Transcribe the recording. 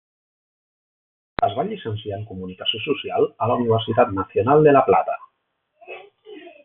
Es va llicenciar en Comunicació Social a la Universitat Nacional de la Plata.